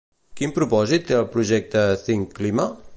Quin propòsit té el projecte THINKClima?